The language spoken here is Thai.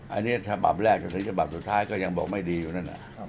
อันนี้ฉบับแรกจนถึงฉบับสุดท้ายก็ยังบอกไม่ดีอยู่นั่นแหละ